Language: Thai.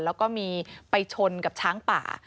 แล้วก็มีไปชนกับช้างป่า